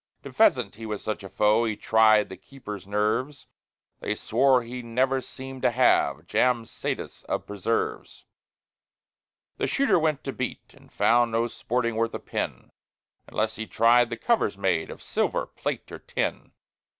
To pheasant he was such a foe, He tried the keepers' nerves; They swore he never seem'd to have Jam satis of preserves. The Shooter went to beat, and found No sporting worth a pin, Unless he tried the covers made Of silver, plate, or tin.